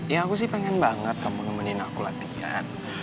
ya aku sih pengen banget kamu nemenin aku latihan